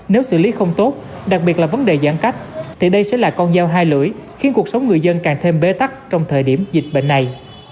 nếu xử lý không tốt đặc biệt là vấn đề giãn cách thì đây sẽ là con dao hai lưỡi khiến cuộc sống người dân càng thêm bế tắc trong thời điểm dịch bệnh này